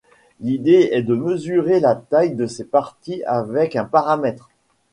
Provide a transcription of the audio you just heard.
L'idée est de mesurer la taille de ces parties avec un paramètre.